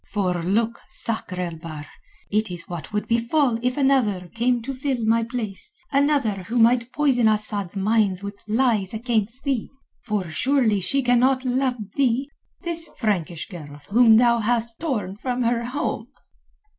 For look, Sakr el Bahr, it is what would befall if another came to fill my place, another who might poison Asad's mind with lies against thee—for surely she cannot love thee, this Frankish girl whom thou hast torn from her home!"